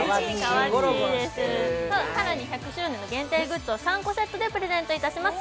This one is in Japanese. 更に１００周年の限定グッズを３個セットでプレゼントします。